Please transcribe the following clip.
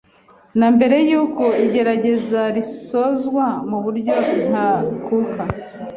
na mbere y’uko igerageza risozwa mu buryo ntakuka.